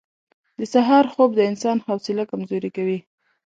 • د سهار خوب د انسان حوصله کمزورې کوي.